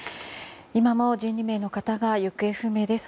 今も１２名の方が行方不明です。